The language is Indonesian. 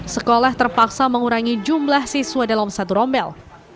sekolah terpaksa mengurangi jumlah siswa dalam satu rombel